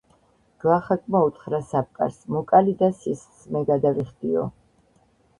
გლახაკმა უთხრა საპყარს: მოკალი და სისხლს მე გადავიხდიო!